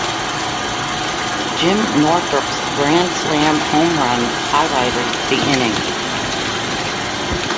Jim Northrup's grand slam home run highlighted the inning.